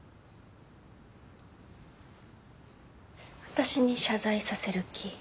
私に謝罪させる気。